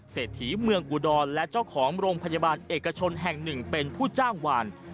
เศรษฐีเมืองอุดรและเจ้าของโรงพยาบาลเอกชนแห่งหนึ่งเป็นผู้จ้างวาน